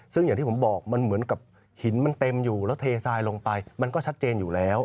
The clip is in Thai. ซึ่งอย่างที่ผมบอกมันเหมือนกับหินมันเต็มอยู่แล้วเททรายลงไปมันก็ชัดเจนอยู่แล้ว